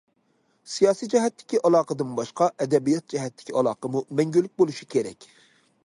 سىياسىي جەھەتتىكى ئالاقىدىن باشقا، ئەدەبىيات جەھەتتىكى ئالاقىمۇ مەڭگۈلۈك بولۇشى كېرەك.